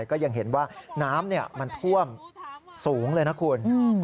ก็ยังเห็นว่าน้ำมันท่วมสูงเลยนะคุณ